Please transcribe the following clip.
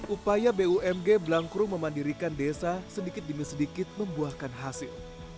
upaya bumg blangkrum memandirikan desa sedikit demi sedikit membuahkan hasil